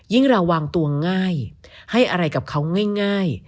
เราวางตัวง่ายให้อะไรกับเขาง่าย